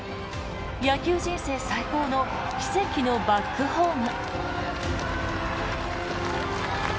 野球人生最高の奇跡のバックホーム。